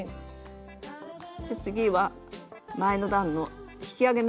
次は前の段の引き上げ